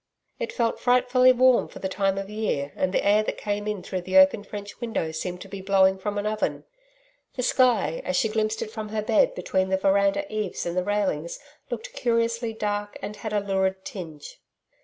It felt frightfully warm for the time of year and the air that came in through the open French window seemed to be blowing from an oven. The sky, as she glimpsed it from her bed between the veranda eaves and the railings, looked curiously dark and had a lurid tinge.